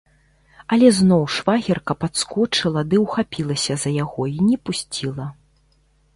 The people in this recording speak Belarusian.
Але зноў швагерка падскочыла ды ўхапілася за яго і не пусціла.